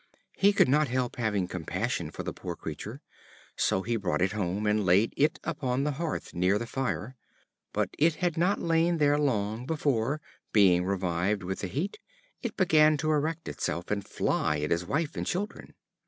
He could not help having a compassion for the poor creature, so he brought it home, and laid it upon the hearth near the fire; but it had not lain there long, before (being revived with the heat) it began to erect itself, and fly at his wife and children.